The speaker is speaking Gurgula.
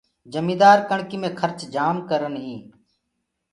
جميدآ ڪڻڪي مي کرچ جآم ڪرن هينٚ۔